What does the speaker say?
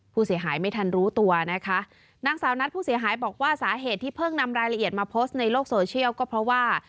ผู้เสียหายไม่ทันรู้ตัวนะคะนางสาวนัดผู้เสียหายบอกว่าสาเหตุที่เพิ่งนำรายละเอียดมาโพสต์ในโลกโซเชียลก็เพราะว่า